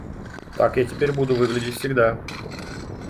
Так я теперь буду выглядеть всегда!